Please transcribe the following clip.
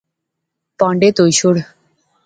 پہانڈے تہوئی شوڑو